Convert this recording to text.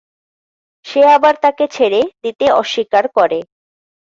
সে আবার তাকে ছেড়ে দিতে অস্বীকার করে।